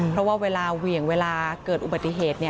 เพราะว่าเวลาเหวี่ยงเวลาเกิดอุบัติเหตุ